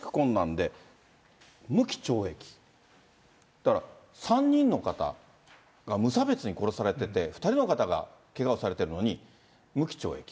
だから３人の方が無差別に殺されてて、２人の方がけがをされてるのに、無期懲役。